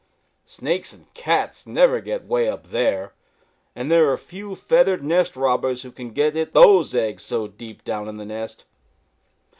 Snakes and cats never get 'way up there and there are few feathered nest robbers who can get at those eggs so deep down in the nest.